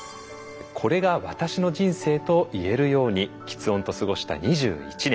「これが私の人生と言える様に吃音と過ごした２１年」。